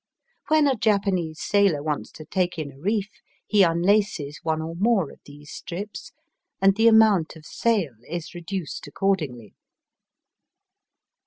When a Japanese sailor wants to take in a reef he unlaces one or more of these strips and the amount of sail is reduced accordingly.